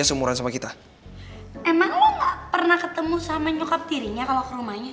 emang lo gak pernah ketemu sama nyokap tirinya kalau ke rumahnya